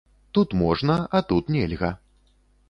Тут можна, а тут нельга.